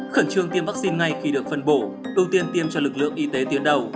khẩn trương tiêm vaccine ngay khi được phân bổ ưu tiên tiêm cho lực lượng y tế tuyến đầu